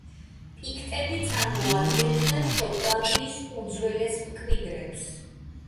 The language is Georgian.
პიქტები წარმოადგენდნენ შოტლანდიის უძველეს მკვიდრებს.